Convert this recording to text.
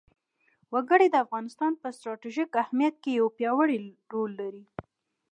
وګړي د افغانستان په ستراتیژیک اهمیت کې یو پیاوړی رول لري.